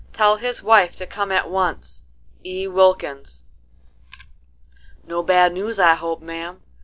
Tell his wife to come at once. E. WILKINS." "No bad news I hope, ma'am?"